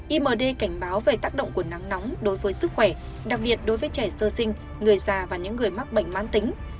imd cảnh báo về tác động của nắng nóng đối với sức khỏe đặc biệt đối với trẻ sơ sinh người già và những người mắc bệnh mãn tính